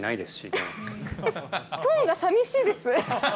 トーンが寂しいです。